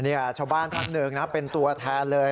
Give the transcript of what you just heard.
อันนี้ชาวบ้านท่านหนึ่งเป็นตัวแทนเลย